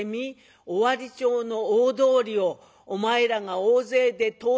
尾張町の大通りをお前らが大勢で通ってみ。